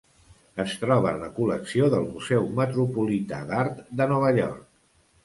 Es troba en la col·lecció del Museu Metropolità d'Art de Nova York.